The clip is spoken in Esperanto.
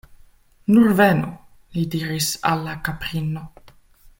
Nur venu! li diris al la kaprino.